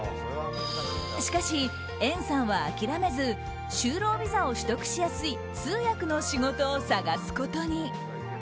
しかし、エンさんは諦めず就労ビザを取得しやすい通訳の仕事を探すことに。